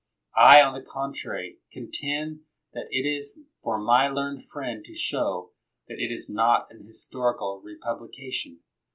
I, on the contrary, contend that it is for my learned friend to show that it is not an historical republication.